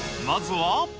まずは。